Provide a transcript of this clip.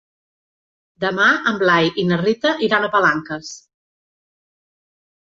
Demà en Blai i na Rita iran a Palanques.